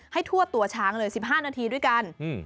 ทั่วตัวช้างเลย๑๕นาทีด้วยกัน